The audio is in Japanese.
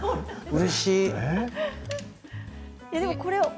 うれしい。